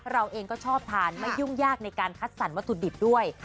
เราเองก็ชอบทานไม่ยุ่งยากในการคัดสรรวัตถุดิบด้วย